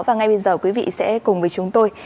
và ngay bây giờ quý vị sẽ cùng với chúng tôi